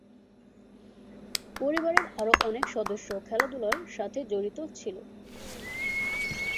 পরিবারের আরও অনেক সদস্য খেলাধুলার সাথে জড়িত ছিল।